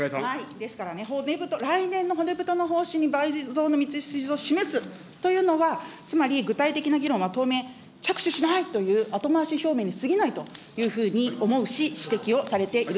ですからね、来年の骨太の方針に、倍増の道筋を示すというのは、つまり、具体的な議論は当面、着手しないという、後回し表明にすぎないというふうに思うし、指摘をされている。